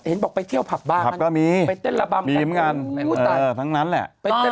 เห็นบอกไปเที่ยวผับบ้านก็มีไปเต้นระบำกันทั้งนั้นแหละ